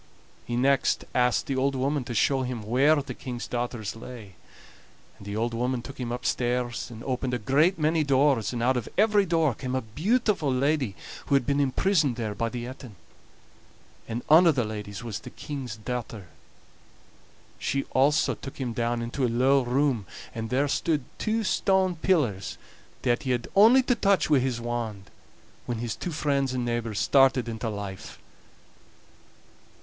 He next asked the old woman to show him where the King's daughters lay; and the old woman took him upstairs and opened a great many doors, and out of every door came a beautiful lady who had been imprisoned there by the Etin; and ane o' the ladies was the King's daughter. She also took him down into a low room, and there stood two stone pillars that he had only to touch wi' his wand, when his two friends and neighbors started into life.